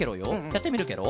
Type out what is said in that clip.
やってみるケロ。